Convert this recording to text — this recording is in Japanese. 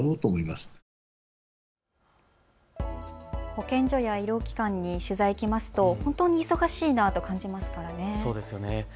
保健所や医療機関に取材、行きますと本当に忙しいなと感じよね。